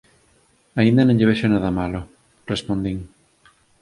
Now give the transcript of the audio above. Aínda non lle vexo nada malo —respondín.